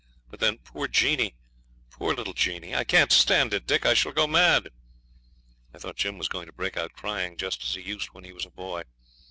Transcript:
But then, poor Jeanie! poor little Jeanie! I can't stand it, Dick; I shall go mad!' I thought Jim was going to break out crying just as he used when he was a boy.